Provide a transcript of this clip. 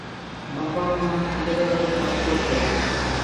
বাবা মা হায়দরাবাদে বাস করতেন।